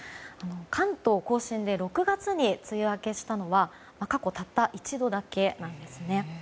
関東・甲信で６月に梅雨明けしたのは過去たった一度だけなんですね。